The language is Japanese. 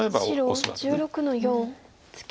白１６の四ツケ。